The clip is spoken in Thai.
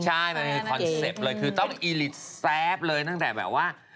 ใช่มันมีคอนเซ็ปต์เลยคือต้องอีลิตแซ่บเลยตั้งแต่แบบว่า